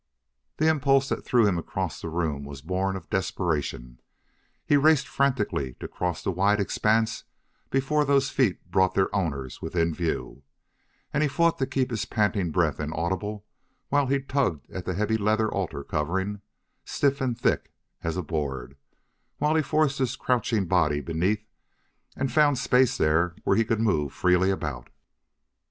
The impulse that threw him across the room was born of desperation; he raced frantically to cross the wide expanse before those feet brought their owners within view, and he fought to keep his panting breath inaudible while he tugged at the heavy leather altar covering, stiff and thick as a board; while he forced his crouching body beneath and found space there where he could move freely about.